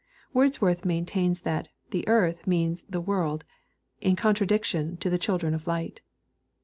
Wordsworth maintains that " the earth" means the " world," in contradiction to the children of light.